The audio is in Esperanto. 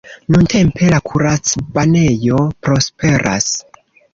Nuntempe la kuracbanejo prosperas.